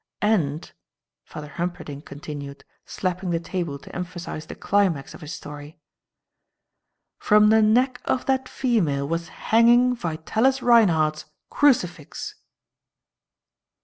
AND," Father Humperdinck continued, slapping the table to emphasize the climax of his story, "From the neck of that female was hanging Vitalis Reinhardt's CRUCIFIX!"